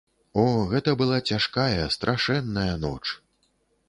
О, гэта была цяжкая, страшэнная ноч.